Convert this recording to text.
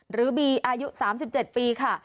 หรือบีอายุ๓๗ปีค่ะ